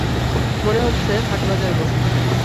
মনে হচ্ছে হাটবাজার বসেছে।